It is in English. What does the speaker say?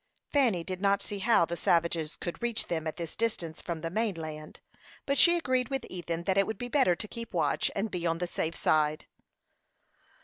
Fanny did not see how the savages could reach them at this distance from the main land, but she agreed with Ethan that it would be better to keep watch, and be on the safe side.